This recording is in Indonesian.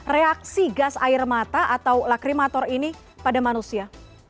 reaksi gas air mata atau lakrimator ini pada manusia